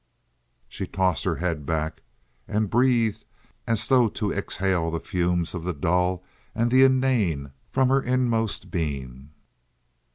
She tossed her head back and breathed as though to exhale the fumes of the dull and the inane from her inmost being.